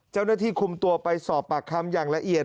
เจ้าหน้าที่คุมตัวไปสอบปากคำอย่างละเอียด